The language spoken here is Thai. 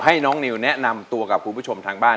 ให้น้องนิวแนะนำตัวกับคุณผู้ชมทางบ้าน